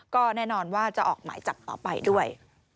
ก็แน่นอนว่าจะออกหมายจับต่อไปด้วย